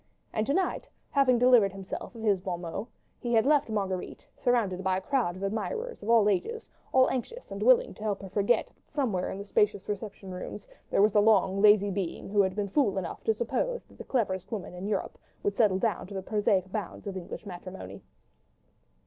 And to night, having delivered himself of his bon mot, he had left Marguerite surrounded by a crowd of admirers of all ages, all anxious and willing to help her to forget that somewhere in the spacious reception rooms, there was a long, lazy being who had been fool enough to suppose that the cleverest woman in Europe would settle down to the prosaic bonds of English matrimony.